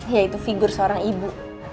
yaitu figur seorang ibu